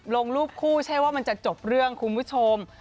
ลงรูปคู่ใช่ว่ามันจะจบเรื่องคุณผู้ชม